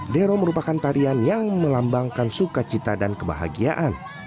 dero merupakan tarian yang melambangkan sukacita dan kebahagiaan